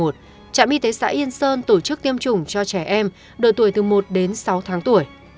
trạm y tế xã yên sơn tổ chức tiêm chủng cho trẻ em đội tuổi từ một đến sáu tháng tuổi